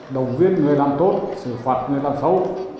đồng viên người làm tốt xử phạt người làm xấu